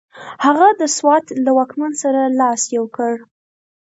هغه د سوات له واکمن سره لاس یو کړ.